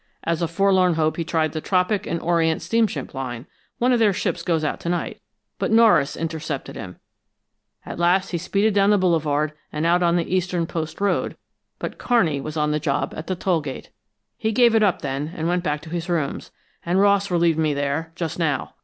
As a forlorn hope he tried the Tropic and Oriental steamship line, one of their ships goes out to night, but Norris intercepted him; at last he speeded down the boulevard and out on the eastern post road, but Kearney was on the job at the toll gate. "He gave it up then, and went back to his rooms, and Ross relieved me there, just now.